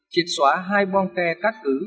chiệt xóa hai bom khe cắt cứ